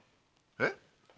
えっ？